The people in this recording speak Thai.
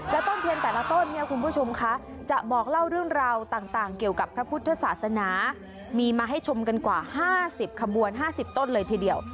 แล้วต้นเทียนแต่ละต้นเนี่ยคุณผู้ชมคะจะบอกเล่าเรื่องราวต่างเกี่ยวกับพระพุทธศาสนามีมาให้ชมกันกว่า๕๐ขบวน๕๐ต้นเลยทีเดียว